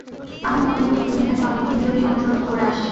আমি মনে করি খুনি তাকে অনেকদিন ধরেই অনুসরণ করে আসছে।